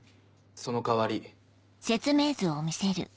その代わり。